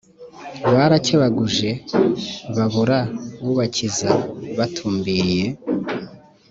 barakebaguje babura ubakiza batumbiriye